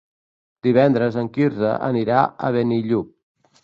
Divendres en Quirze anirà a Benillup.